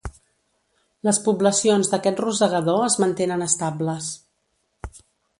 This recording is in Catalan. Les poblacions d'aquest rosegador es mantenen estables.